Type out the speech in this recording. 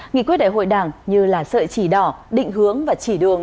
nghị quyết đại hội đảng như là sợi chỉ đỏ định hướng và chỉ đường